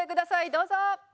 どうぞ。